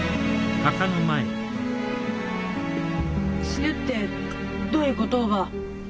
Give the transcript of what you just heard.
死ぬってどういうこと？